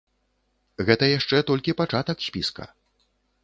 Гэта яшчэ толькі пачатак спіска.